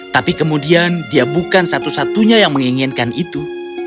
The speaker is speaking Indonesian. tapi kemudian dia bukan satu satunya yang menginginkan itu